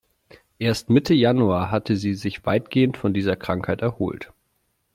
Erst Mitte Januar hatte sie sich weitgehend von dieser Krankheit erholt.